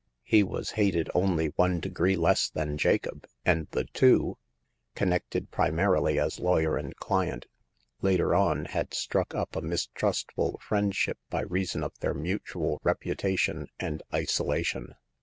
He was hated only one degree less than Jacob, and the two, — connected pri marily as lawyer and client, — later on, had struck up a mistrustful friendship by reason of their mutual reputation and isolation.